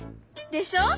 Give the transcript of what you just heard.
でしょ？